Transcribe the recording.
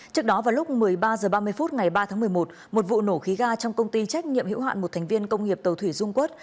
trước đó vào lúc một mươi ba h ba mươi phút ngày ba tháng một mươi một một vụ nổ khí ga trong công ty trách nhiệm hữu hạn một thành viên công nghiệp tàu thủy dung quốc